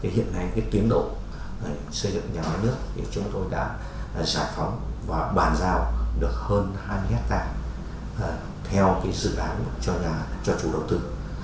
hiện nay tiến độ xây dựng nhà máy nước chúng tôi đã sản phẩm và bàn giao được hơn hai hectare theo dự án cho nhà cho chủ đầu tư